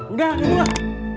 udah itu lah